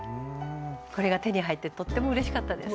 これが手に入ってとってもうれしかったです。